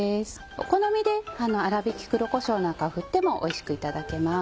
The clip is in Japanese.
お好みで粗びき黒こしょうなんかを振ってもおいしくいただけます。